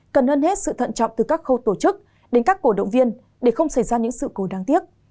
cần hơn hết sự thận trọng từ các khâu tổ chức đến các cổ động viên để không xảy ra những sự cố đáng tiếc